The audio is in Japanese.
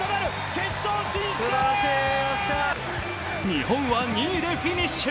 日本は２位でフィニッシュ。